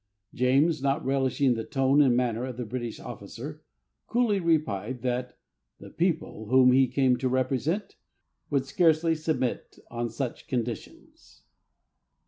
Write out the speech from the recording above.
James, not relishing the tone and manner of the British officer, coolly replied that "the people whom he came to represent would scarcely submit on such conditions."